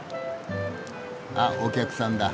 あっお客さんだ。